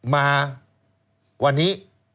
มาวันนี้